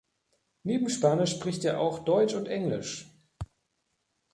Neben Spanisch spricht er auch Deutsch und Englisch.